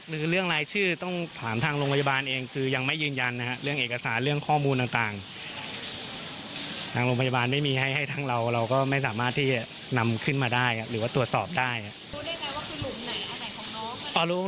รู้ได้ไหมว่าคลุมไหนอันไหนของน้อง